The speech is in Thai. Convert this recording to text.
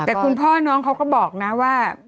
แต่คุณพ่อน้องเขาก็บอกนะว่า